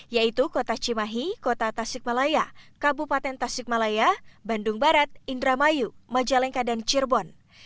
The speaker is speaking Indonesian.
yaitu kota cimahi kota tasikmalaya kabupaten tasikmalaya bandung barat indramayu majalengka dan cirebon